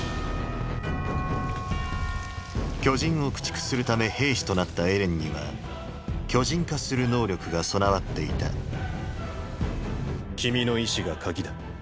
巨人を駆逐するため兵士となったエレンには巨人化する能力が備わっていた君の意志が「鍵」だ。